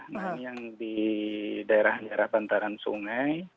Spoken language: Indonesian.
nah ini yang di daerah daerah bantaran sungai